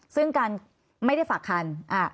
ซึ่งการไม่ได้ฝากคัน